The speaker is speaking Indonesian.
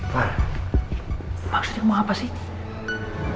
pak maksudnya mau apa sih